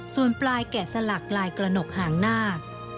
ส่วนปลายแกะสลักลายกระหนกห่างหน้า